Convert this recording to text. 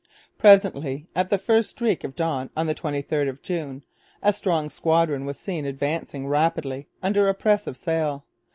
Presently, at the first streak of dawn on the 23rd of June, a strong squadron was seen advancing rapidly under a press of sail.